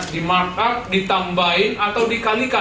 dimakap ditambahin atau dikalikan